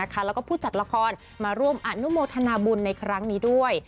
แล้วก็ผู้จัดละครมาร่วมอนุโมทนาบุญในครั้งนี้ด้วย